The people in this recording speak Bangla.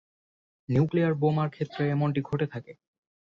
নিউক্লিয়ার বোমার ক্ষেত্রে এমনটি ঘটে থাকে।